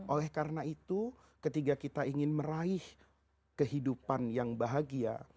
oleh karena itu ketika kita ingin meraih kehidupan yang bahagia